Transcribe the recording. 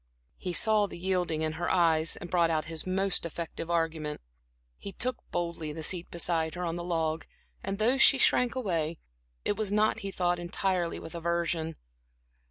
He saw the yielding in her eyes and brought out his most effective argument. He took boldly the seat beside her on the log and though she shrank away, it was not, he thought, entirely with aversion.